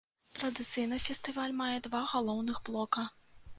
Традыцыйна фестываль мае два галоўных блока.